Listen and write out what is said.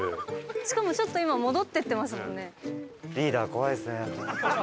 しかもちょっと今戻っていってますもんね。